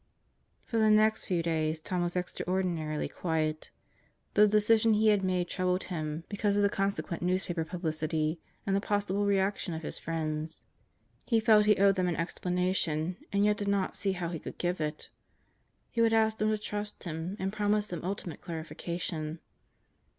For the next few days Tom Penney was extraordinarily quiet. The decision he had made troubled him because of the consequent 54 God Goes to Murderers Row ewspaper publicity and the possible reaction of his friends. Ee felt he owed them an explanation, and yet did not see how e could give it. He would ask them to trust him and promise hem ultimate clarification.